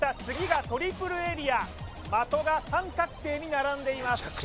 次がトリプルエリア的が三角形に並んでいます